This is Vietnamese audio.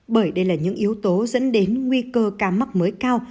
bởi đây là những yếu tố dẫn đến nguy cơ ca mắc mới cao